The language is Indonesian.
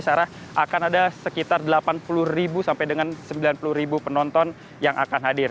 bisa arah akan ada sekitar delapan puluh ribu sampai dengan sembilan puluh ribu penonton yang akan hadir